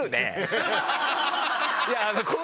いやあの。